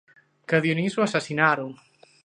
que a Dionís o asasinaron.